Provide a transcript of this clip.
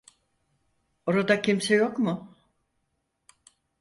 Orada kimse yok mu?